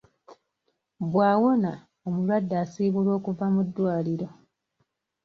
"Bw'awona, omulwadde asiibulwa okuva mu ddwaliro."